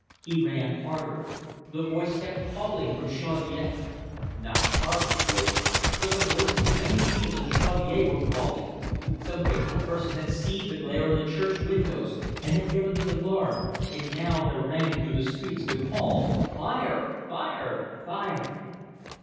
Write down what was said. He ran harder. The voice kept calling from Chaudiere. Not Charley's voice, but the voices of many people in Chaudiere were calling. Some wakeful person had seen the glare in the church windows and had given the alarm, and now there rang through the streets the call "Fire! Fire! Fire!"